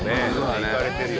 いかれてるよ。